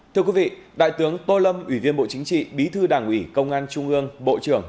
thưa quý vị đại tướng tô lâm ủy viên bộ chính trị bí thư đảng ủy công an trung ương bộ trưởng